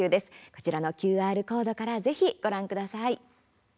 こちらのＱＲコードからぜひ、ご覧ください。